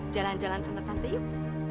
jalan jalan sama tante yuk